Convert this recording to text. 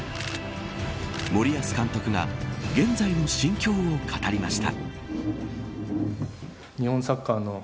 森保監督が現在の心境を語りました。